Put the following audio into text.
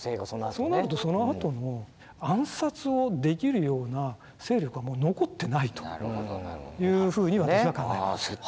そうなるとそのあとの暗殺をできるような勢力はもう残ってないというふうに私は考えます。